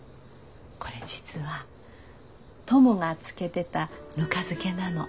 これ実はトモが漬けてたぬか漬けなの。